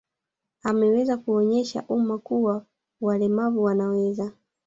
Ameweza kuuonyesha umma kuwa walemavu wanaweza